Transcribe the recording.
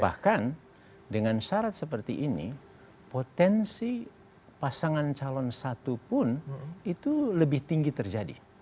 bahkan dengan syarat seperti ini potensi pasangan calon satu pun itu lebih tinggi terjadi